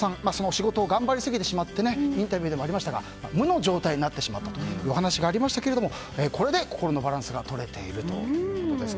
仕事を頑張りすぎてしまってインタビューでもありましたが無の状態になってしまったというお話がありましたけどこれで心のバランスが取れているということです。